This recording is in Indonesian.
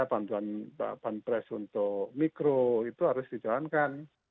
panduan bandpres untuk mikro itu harus dijalankan